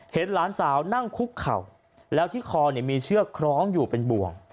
เห็นหลานสาวนั่งคุกเข่าแล้วที่คอมีเชือกคล้องอยู่เป็นบ่วง